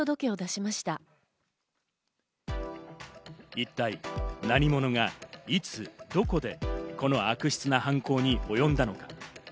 一体何者が、いつ、どこで、この悪質な犯行におよんだのか？